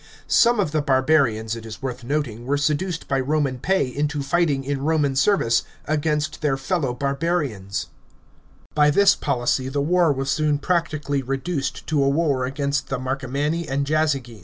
Some of the barbarians, it is worth noting, were seduced by Roman pay into fighting in Roman service. against their fellow barbarians. § 18. By this policy the war was soon practically reduced 168 175 A.D. VICTORIES OF MARCUS. 545 to a war against the Marcomanni and Jazyges.